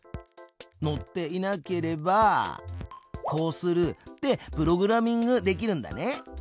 乗っていなければこうするってプログラミングできるんだね。